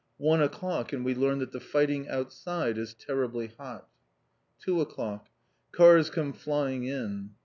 One o'clock, and we learn that the fighting outside is terribly hot. Two o'clock. Cars come flying in.